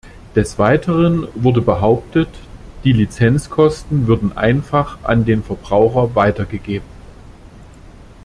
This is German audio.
Des weiteren wurde behauptet, die Lizenzkosten würden einfach an den Verbraucher weitergegeben.